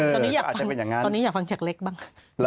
ตอนนี้อยากฟังจากเล็กบ้าง